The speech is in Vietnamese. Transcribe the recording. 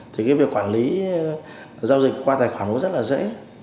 thì việc quản lý giao dịch qua tài khoản cũng rất là dễ